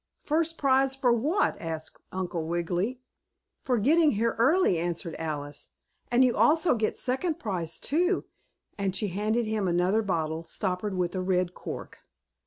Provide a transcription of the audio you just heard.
"First prize for what?" asked Uncle Wiggily. "For getting here early," answered Alice. "And you also get second prize, too," and she handed him another bottle, stoppered with a red cork.